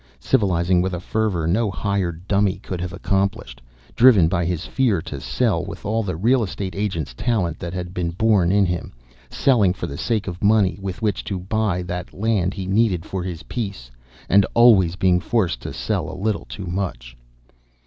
Civilizing with a fervor no hired dummy could have accomplished, driven by his fear to sell with all the real estate agent's talent that had been born in him, selling for the sake of money with which to buy that land he needed for his peace and always being forced to sell a little too much.